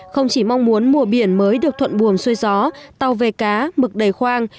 không chỉ mong muốn mùa biển mới được thuận buồm xuôi gió tàu về cá mực đầy khoang